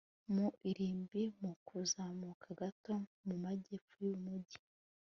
mu irimbi, mu kuzamuka gato mu majyepfo y'umujyi